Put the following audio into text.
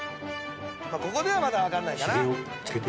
ここではまだ分かんないかな。